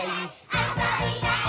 あそびたい！